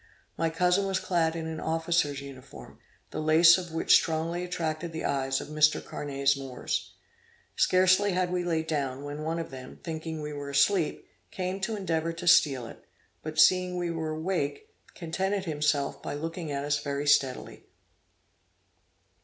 My cousin was clad in an officer's uniform, the lace of which strongly attracted the eyes of Mr. Carnet's Moors. Scarcely had we lain down, when one of them, thinking we were asleep, came to endeavor to steal it; but seeing we were awake, contented himself by looking at us very steadily.